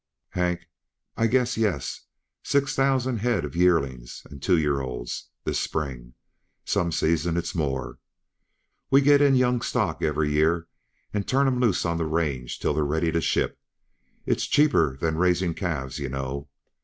"Hank? I guess yes! six thousand head uh yearlings and two year olds, this spring; some seasons it's more. We get in young stock every year and turn 'em loose on the range till they're ready to ship. It's cheaper than raising calves, yuh know.